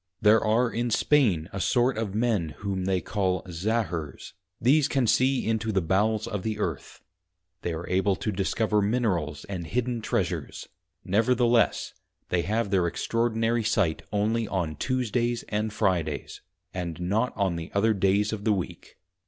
There are in Spain a sort of men whom they call Zahurs, these can see into the Bowels of the Earth; they are able to discover Minerals and hidden Treasures; nevertheless, they have their extraordinary sight only on Tuesdays and Fridays, and not on the other days of the Week.